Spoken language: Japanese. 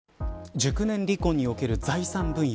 熟年離婚における財産分与。